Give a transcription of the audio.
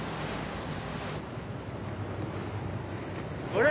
あれ？